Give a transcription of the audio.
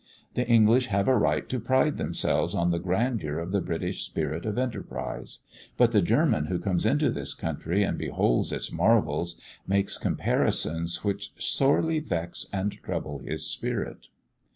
The English have a right to pride themselves on the grandeur of the British spirit of enterprise. But the German who comes into this country and beholds its marvels, makes comparisons which sorely vex and trouble his spirit.